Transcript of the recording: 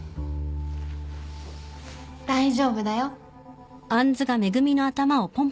大丈夫だよ。